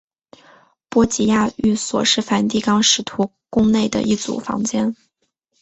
波吉亚寓所是梵蒂冈使徒宫内的一组房间。